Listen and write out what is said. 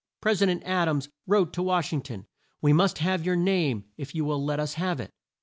Pres i dent Ad ams wrote to Wash ing ton, "We must have your name, if you will let us have it.